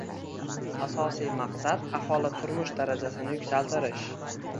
Asosiy maqsad aholi turmush darajasini yuksaltirish